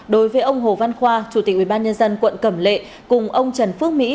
đối với ông hồ văn khoa chủ tịch ubnd quận cẩm lệ cùng ông trần phước mỹ